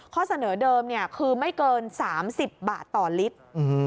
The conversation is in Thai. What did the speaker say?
ข้อเสนอเดิมคือไม่เกิน๓๐บาทต่อลิตร